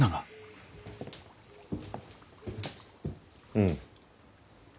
うん。